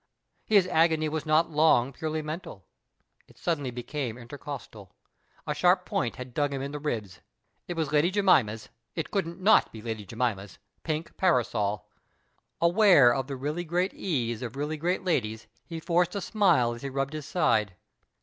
His agony was not long purely mental ; it suddenly became intercostal. A sharp point had dug him in the ribs. It was Lady Jemima's, it couldn't not be Lady Jemima's, pink parasol. Aware of the really great ease of really great ladies he forced a smile, as he rubbed his side.